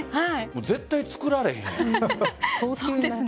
絶対作られへん。